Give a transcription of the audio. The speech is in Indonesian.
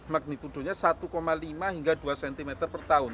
magnitudonya satu lima hingga dua cm per tahun